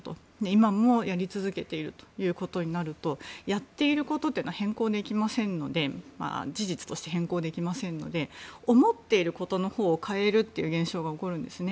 今もやり続けているということになるとやっていることというのは事実として変更できませんので思っていることのほうを変えるという現象が起こるんですね。